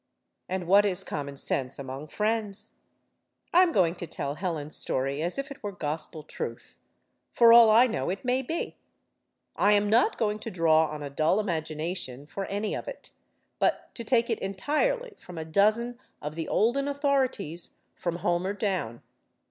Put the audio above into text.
And what is common sense among friends? I am going to tell Helen's story as if it were gospel truth. For all I know, it may be. I am not going to draw on a dull imagination for any of it, but to take it entirely from a dozen of the olden authorities, from Homer down.